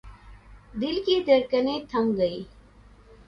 دل کی دھڑکنیں تھم گئیں۔